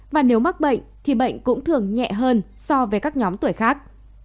và nếu mắc bệnh thì bệnh cũng thường nhẹ hơn so với các nhóm tuổi khác